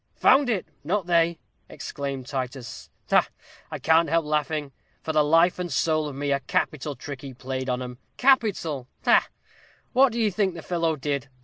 "Found it not they!" exclaimed Titus. "Ha, ha! I can't help laughing, for the life and sowl of me; a capital trick he played 'em, capital ha, ha! What do you think the fellow did?